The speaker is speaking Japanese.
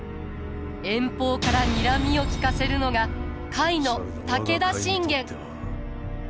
遠方からにらみを利かせるのが甲斐の武田信玄。